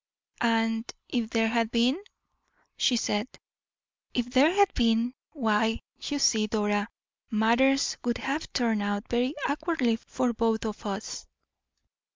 "And if there had been?" she said. "If there had been, why, you see, Dora, matters would have turned out very awkwardly for both of us."